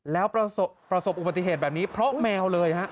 แล้วประสบอุบัติเหตุแบบนี้เพราะแมวเลยฮะ